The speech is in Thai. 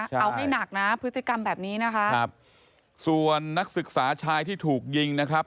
เอาให้หนักนะพฤติกรรมแบบนี้นะคะครับส่วนนักศึกษาชายที่ถูกยิงนะครับ